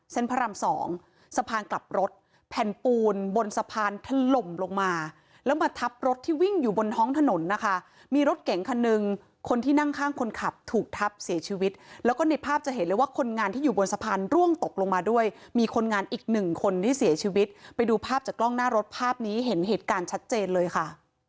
พระรามสองสะพานกลับรถแผ่นปูนบนสะพานถล่มลงมาแล้วมาทับรถที่วิ่งอยู่บนท้องถนนนะคะมีรถเก๋งคันหนึ่งคนที่นั่งข้างคนขับถูกทับเสียชีวิตแล้วก็ในภาพจะเห็นเลยว่าคนงานที่อยู่บนสะพานร่วงตกลงมาด้วยมีคนงานอีกหนึ่งคนที่เสียชีวิตไปดูภาพจากกล้องหน้ารถภาพนี้เห็นเหตุการณ์ชัดเจนเลยค่ะ